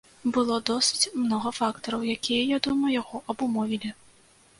Было досыць многа фактараў, якія, я думаю, яго абумовілі.